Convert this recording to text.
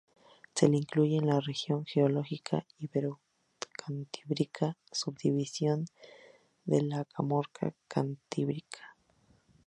Se le incluye en la región geológica ibero-cantábrica, subdivisión de la comarca cantábrica.